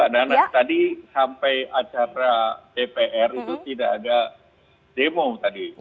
saya sudah berhenti sampai acara dpr itu tidak ada demo tadi